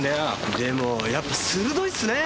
でもやっぱ鋭いっすね。